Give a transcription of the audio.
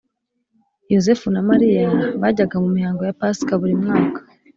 Yosefu na Mariya bajyaga mu mihango ya Pasika buri mwaka